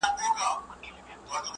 ويل زما د سر امان دي وي څښتنه،